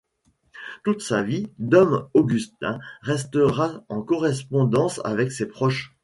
Toute sa vie Dom Augustin restera en correspondance avec ses proches.